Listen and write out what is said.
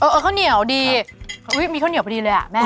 ข้าวเหนียวดีมีข้าวเหนียวพอดีเลยอ่ะแม่